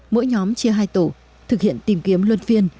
mỗi nhóm chia hai tổ thực hiện tìm kiếm luân phiên